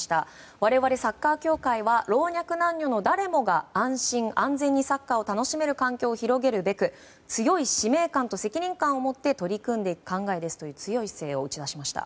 我々サッカー協会は老若男女の誰もが安心・安全にサッカーを楽しめる環境を広げるべく強い責任感と使命感を持って取り組んでいく考えですと強い姿勢を打ち出しました。